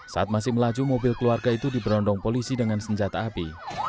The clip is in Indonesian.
saat masih melaju mobil keluarga itu diberondong polisi dengan senjata api